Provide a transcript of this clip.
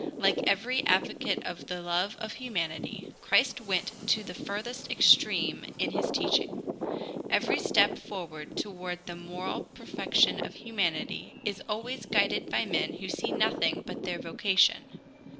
Like every advocate of the love of humanity, Christ went to the furthest extreme in his teaching. Every step forward toward the moral perfection of humanity is always guided by men who see nothing but their vocation.